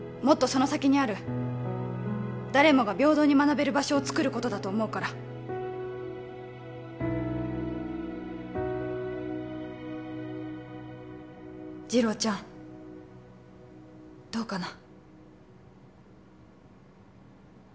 その先にある誰もが平等に学べる場所をつくることだと思うから次郎ちゃんどうかな？